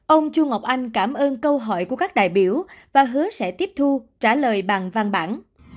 ông chu ngọc anh cảm ơn câu hỏi của các đại biểu và hứa sẽ tiếp thu trả lời bằng văn bản